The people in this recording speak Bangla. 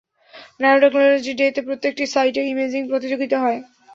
ন্যানোটেকনোলজি ডে তে প্রত্যেকটি সাইটে ইমেজিং প্রতিযোগীতা হয়।